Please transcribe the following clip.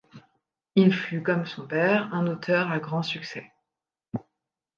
Il fut comme son père un auteur à grand succès.